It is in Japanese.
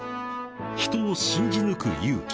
［人を信じ抜く勇気］